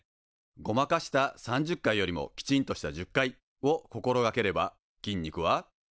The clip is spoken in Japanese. ごまかした３０回よりもきちんとした１０回を心がければ筋肉は。